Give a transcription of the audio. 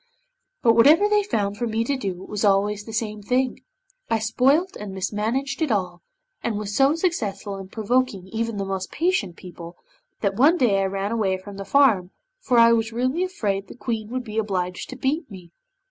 'But whatever they found for me to do it was always the same thing, I spoilt and mismanaged it all, and was so successful in provoking even the most patient people, that one day I ran away from the farm, for I was really afraid the Queen would be obliged to beat me.